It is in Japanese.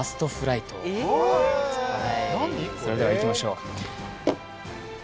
それではいきましょう。